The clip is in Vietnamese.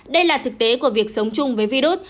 đây là thực tế của việc sống chung với virus